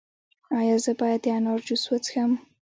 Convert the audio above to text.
ایا زه باید د انار جوس وڅښم؟